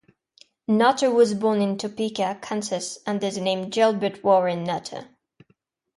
Nutter was born in Topeka, Kansas, under the name Gilbert Warren Nutter.